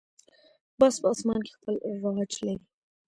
باز په آسمان کې خپل راج لري